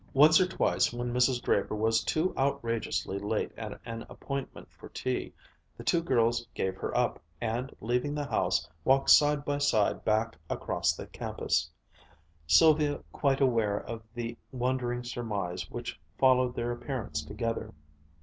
Once or twice when Mrs. Draper was too outrageously late at an appointment for tea, the two girls gave her up, and leaving the house, walked side by side back across the campus, Sylvia quite aware of the wondering surmise which followed their appearance together.